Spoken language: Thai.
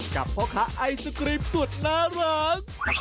พ่อค้าไอศกรีมสุดน่ารัก